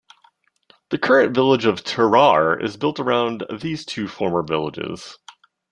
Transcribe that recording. The current village of Ter Aar is built around these two former villages.